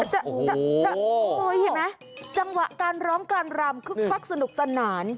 เห็นไหมจังหวะการร้องการรำคึกคักสนุกสนาน